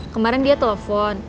kemaren dia telepon